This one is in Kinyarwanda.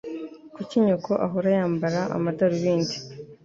Kuki nyoko ahora yambara amadarubindi?